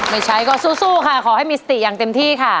ไม่ใช้ก็สู้ค่ะขอให้มีสติอย่างเต็มที่ค่ะ